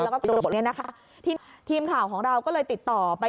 แล้วก็โกรธเนี่ยนะคะทีมข่าวของเราก็เลยติดต่อไป